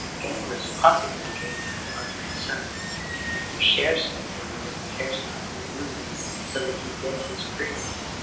Gamblers pocket their gains with unconcern : and your share speculator cares not who loses, so that he gets his premium.